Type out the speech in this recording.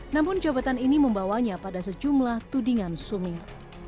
namun jabatan ini membawanya pada sejumlah tudingan sumir